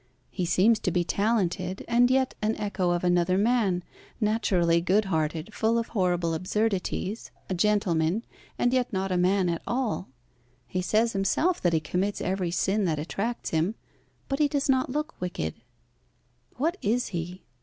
"He seems to be talented, and yet an echo of another man, naturally good hearted, full of horrible absurdities, a gentleman, and yet not a man at all. He says himself that he commits every sin that attracts him, but he does not look wicked. What is he?